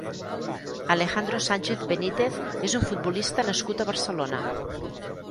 Alejandro Sánchez Benítez és un futbolista nascut a Barcelona.